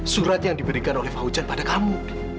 surat yang diberikan oleh fauzan pada kamu